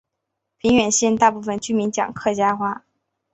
平远县大部分居民讲客家话。